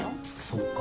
そっか。